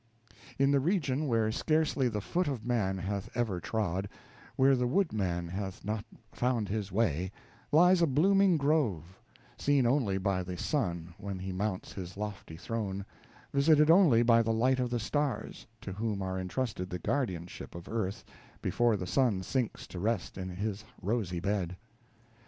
In the region where scarcely the foot of man hath ever trod, where the woodman hath not found his way, lies a blooming grove, seen only by the sun when he mounts his lofty throne, visited only by the light of the stars, to whom are entrusted the guardianship of earth, before the sun sinks to rest in his rosy bed.